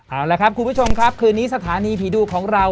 เอาละครับคุณผู้ชมครับคืนนี้สถานีผีดุของเรา